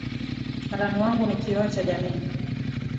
Karani wangu ni kioo cha jamii.